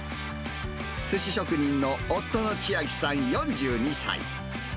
すし職人の夫の千秋さん４２歳。